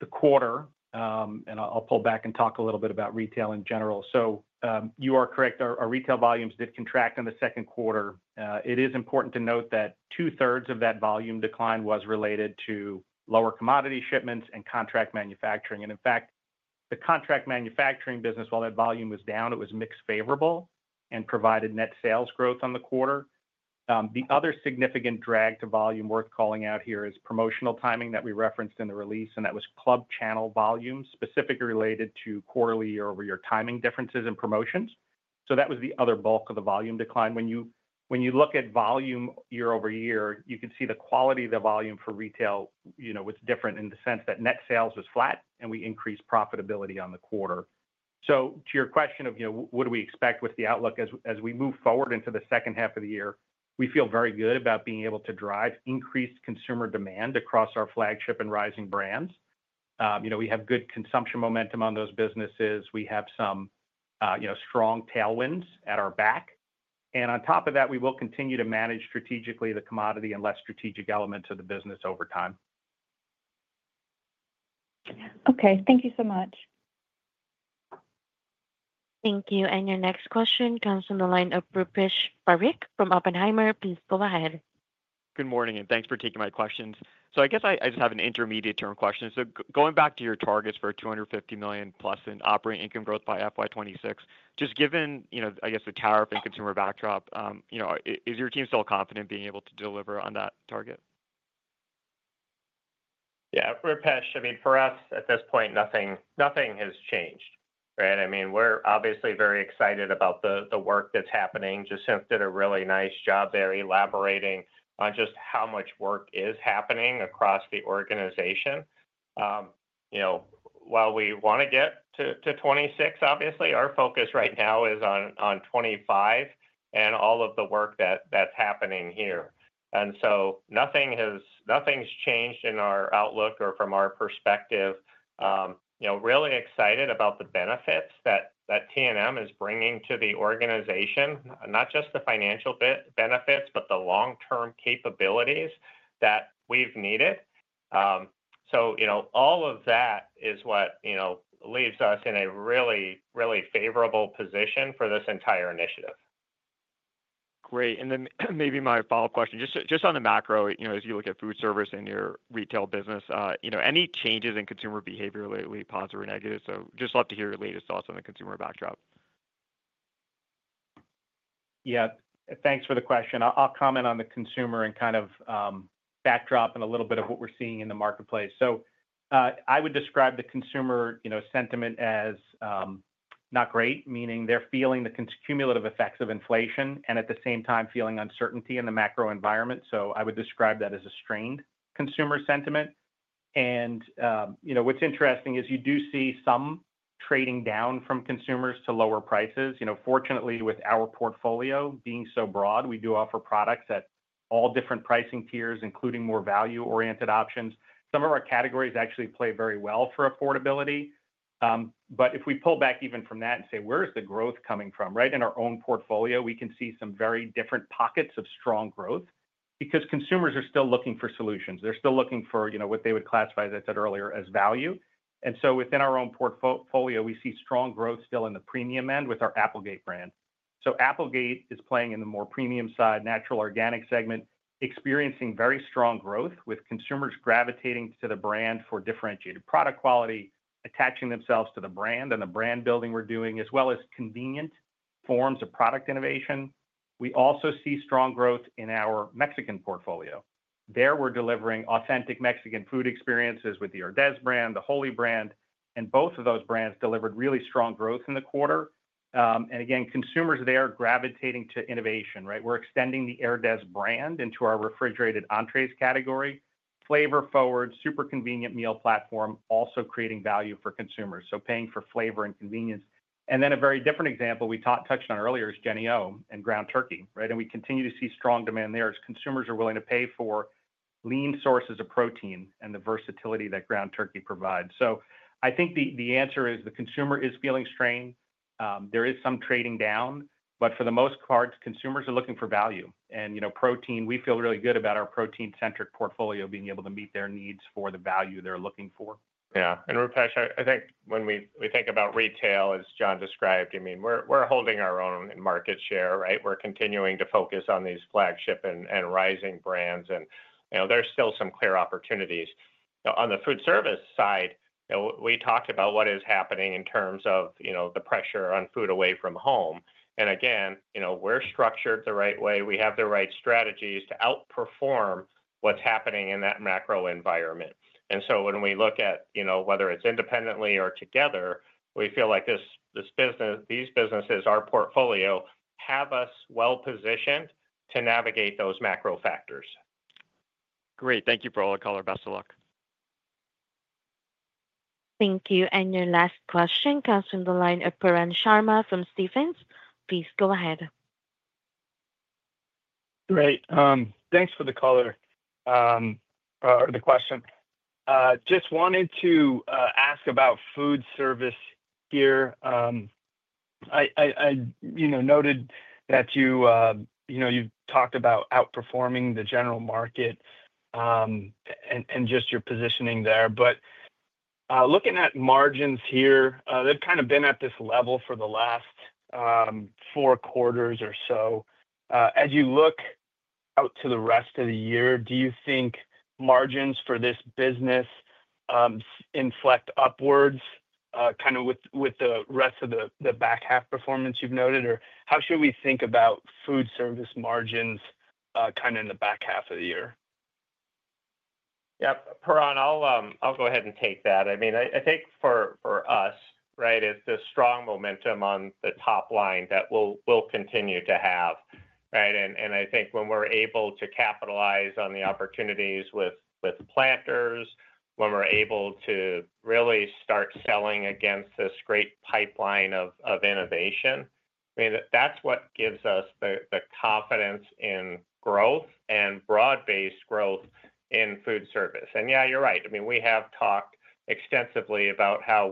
the quarter, and I'll pull back and talk a little bit about retail in general. You are correct. Our retail volumes did contract in the second quarter. It is important to note that two-thirds of that volume decline was related to lower commodity shipments and contract manufacturing. In fact, the contract manufacturing business, while that volume was down, it was mixed favorable and provided net sales growth on the quarter. The other significant drag to volume worth calling out here is promotional timing that we referenced in the release, and that was club channel volumes, specifically related to quarterly year-over-year timing differences in promotions. That was the other bulk of the volume decline. When you look at volume year-over-year, you can see the quality of the volume for retail was different in the sense that net sales was flat, and we increased profitability on the quarter. To your question of what do we expect with the outlook as we move forward into the second half of the year, we feel very good about being able to drive increased consumer demand across our flagship and rising brands. We have good consumption momentum on those businesses. We have some strong tailwinds at our back. On top of that, we will continue to manage strategically the commodity and less strategic elements of the business over time. Thank you so much. Thank you. Your next question comes from the line of Rupesh Farik from Oppenheimer. Please go ahead. Good morning, and thanks for taking my questions. I guess I just have an intermediate-term question. Going back to your targets for $250 + million in operating income growth by fiscal 2026, just given, I guess, the tariff and consumer backdrop, is your team still confident being able to deliver on that target? Yeah. I mean, for us at this point, nothing has changed, right? I mean, we're obviously very excited about the work that's happening. Jacinth did a really nice job there elaborating on just how much work is happening across the organization. While we want to get to 2026, obviously, our focus right now is on 2025 and all of the work that's happening here. Nothing's changed in our outlook or from our perspective. Really excited about the benefits that T&M is bringing to the organization, not just the financial benefits, but the long-term capabilities that we've needed. All of that is what leaves us in a really, really favorable position for this entire initiative. Great. Maybe my follow-up question, just on the macro, as you look at food service in your retail business, any changes in consumer behavior lately, positive or negative? Just love to hear your latest thoughts on the consumer backdrop. Yeah. Thanks for the question. I'll comment on the consumer and kind of backdrop and a little bit of what we're seeing in the marketplace. I would describe the consumer sentiment as not great, meaning they're feeling the cumulative effects of inflation and at the same time feeling uncertainty in the macro environment. I would describe that as a strained consumer sentiment. What's interesting is you do see some trading down from consumers to lower prices. Fortunately, with our portfolio being so broad, we do offer products at all different pricing tiers, including more value-oriented options. Some of our categories actually play very well for affordability. If we pull back even from that and say, "Where is the growth coming from?" right in our own portfolio, we can see some very different pockets of strong growth because consumers are still looking for solutions. They're still looking for what they would classify as I said earlier as value. Within our own portfolio, we see strong growth still in the premium end with our Applegate brand. Applegate is playing in the more premium side, natural organic segment, experiencing very strong growth with consumers gravitating to the brand for differentiated product quality, attaching themselves to the brand and the brand building we're doing, as well as convenient forms of product innovation. We also see strong growth in our Mexican portfolio. There we are delivering authentic Mexican food experiences with the Herdez brand, the Wholly brand, and both of those brands delivered really strong growth in the quarter. Again, consumers there gravitating to innovation, right? We are extending the Herdez brand into our refrigerated entrees category, flavor-forward, super convenient meal platform, also creating value for consumers. Paying for flavor and convenience. A very different example we touched on earlier is JENNIE-O and ground turkey, right? We continue to see strong demand there as consumers are willing to pay for lean sources of protein and the versatility that ground turkey provides. I think the answer is the consumer is feeling strained. There is some trading down, but for the most part, consumers are looking for value. Protein, we feel really good about our protein-centric portfolio being able to meet their needs for the value they're looking for. Yeah. Rupesh, I think when we think about retail, as John described, I mean, we're holding our own market share, right? We're continuing to focus on these flagship and rising brands, and there's still some clear opportunities. On the food service side, we talked about what is happening in terms of the pressure on food away from home. Again, we're structured the right way. We have the right strategies to outperform what's happening in that macro environment. When we look at whether it's independently or together, we feel like these businesses, our portfolio, have us well-positioned to navigate those macro factors. Great. Thank you for all the color. Best of luck. Thank you. Your last question comes from the line of Pooran Sharma from Stephens. Please go ahead. Great. Thanks for the color or the question. Just wanted to ask about food service here. I noted that you've talked about outperforming the general market and just your positioning there. Looking at margins here, they've kind of been at this level for the last four quarters or so. As you look out to the rest of the year, do you think margins for this business inflect upwards kind of with the rest of the back half performance you've noted? How should we think about food service margins kind of in the back half of the year? Yep. Pooran, I'll go ahead and take that. I mean, I think for us, right, it's the strong momentum on the top line that we'll continue to have, right? I think when we're able to capitalize on the opportunities with Planters, when we're able to really start selling against this great pipeline of innovation, I mean, that's what gives us the confidence in growth and broad-based growth in food service. Yeah, you're right. I mean, we have talked extensively about how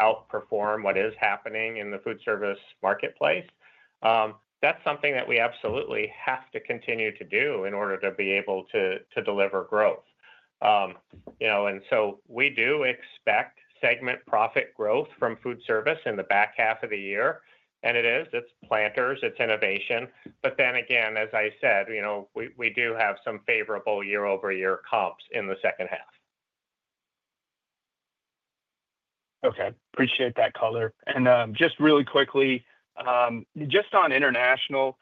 we outperform what is happening in the food service marketplace. That's something that we absolutely have to continue to do in order to be able to deliver growth. We do expect segment profit growth from food service in the back half of the year. It is. It's Planters. It's innovation. But then again, as I said, we do have some favorable year-over-year comps in the second half. Okay. Appreciate that color. Just really quickly, just on international,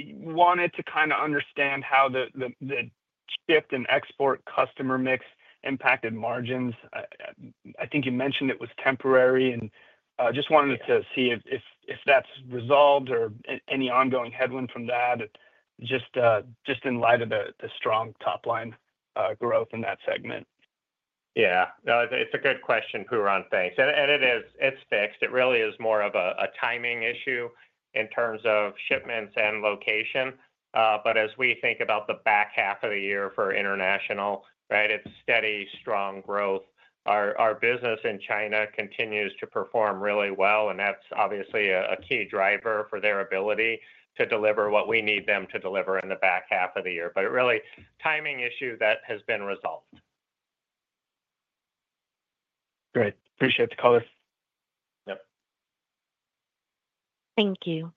wanted to kind of understand how the shift in export customer mix impacted margins. I think you mentioned it was temporary, and just wanted to see if that's resolved or any ongoing headwind from that, just in light of the strong top line growth in that segment. Yeah. No, it's a good question, Pooran. Thanks. And it is. It's fixed. It really is more of a timing issue in terms of shipments and location. As we think about the back half of the year for international, right, it's steady, strong growth. Our business in China continues to perform really well, and that's obviously a key driver for their ability to deliver what we need them to deliver in the back half of the year. Really, timing issue that has been resolved. Great. Appreciate the color. Thank you.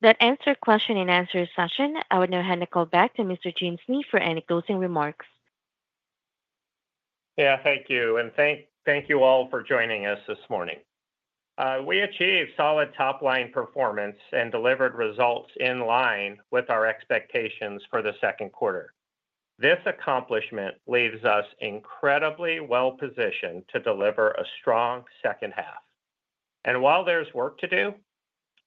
That answered question and answer session. I would now hand the call back to Mr. James Snee for any closing remarks. Yeah. Thank you. Thank you all for joining us this morning. We achieved solid top-line performance and delivered results in line with our expectations for the second quarter. This accomplishment leaves us incredibly well-positioned to deliver a strong second half. While there is work to do,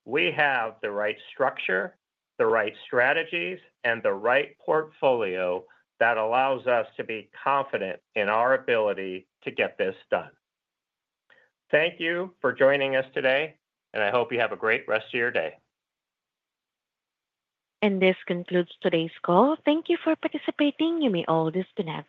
we have the right structure, the right strategies, and the right portfolio that allows us to be confident in our ability to get this done. Thank you for joining us today, and I hope you have a great rest of your day. This concludes today's call. Thank you for participating. You may all disconnect.